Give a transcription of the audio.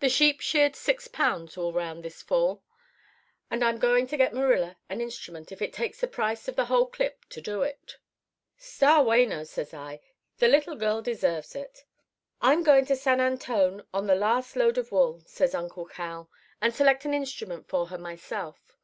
The sheep sheared six pounds all round this fall; and I'm going to get Marilla an instrument if it takes the price of the whole clip to do it.' "'Star wayno,' says I. 'The little girl deserves it.' "'I'm going to San Antone on the last load of wool,' says Uncle Cal, 'and select an instrument for her myself.